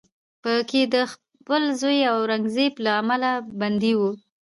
په کې د خپل زوی اورنګزیب له امله بندي و